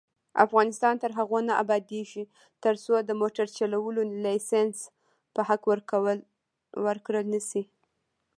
افغانستان تر هغو نه ابادیږي، ترڅو د موټر چلولو لایسنس په حق ورکړل نشي.